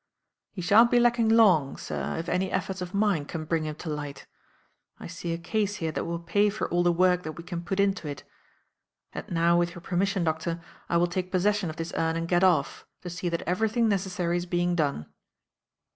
"He shan't be lacking long, sir, if any efforts of mine can bring him to light. I see a case here that will pay for all the work that we can put into it; and now, with your permission, doctor, I will take possession of this urn and get off, to see that everything necessary is being done."